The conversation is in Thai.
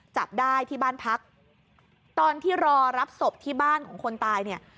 จับได้ที่บ้านพักตอนที่รอรับศพที่บ้านของคนตายเนี่ย